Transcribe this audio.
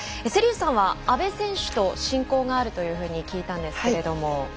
瀬立さんは阿部選手と親交があると聞いたんですけれど。